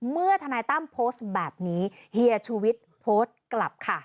เมื่อธนายตั้มโพสแบบนี้เฮียชุวิตโพสกลับค่ะ